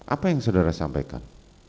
apa yang saudara sampaikan